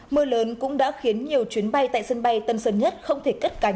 mưa lớn cũng đã khiến nhiều chuyến bay tại sân bay tân sơn nhất không thể cất cánh và hạ cánh